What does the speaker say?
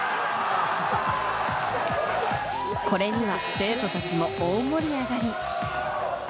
これには生徒たちも大盛り上がり。